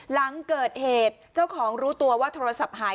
หลังเกิดเหตุเจ้าของรู้ตัวว่าโทรศัพท์หาย